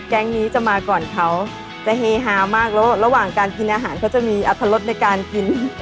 แก๊งนี้จะมาก่อนเขาจะเฮฮามากแล้วระหว่างการกินอาหารเขาจะมีอัตรรสในการกิน